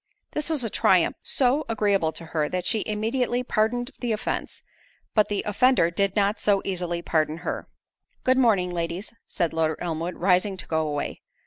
This was a triumph so agreeable to her, that she immediately pardoned the offence; but the offender did not so easily pardon her. "Good morning, ladies," said Lord Elmwood, rising to go away.